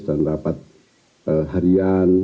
dan rapat harian